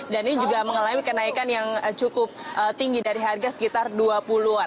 dan ini juga mengalami kenaikan yang cukup tinggi dari harga sekitar rp dua puluh